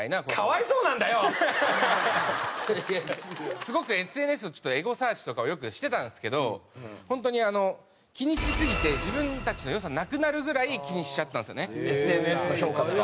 すごくＳＮＳをちょっとエゴサーチとかをよくしてたんですけど本当に気にしすぎて自分たちの良さなくなるぐらい気にしちゃったんですよねＳＮＳの評価とかを。